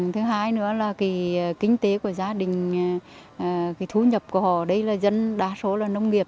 thứ hai nữa là kinh tế của gia đình thú nhập của họ đây là dân đa số là nông nghiệp